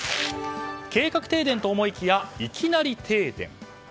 計画停電と思いきやいきなり停電。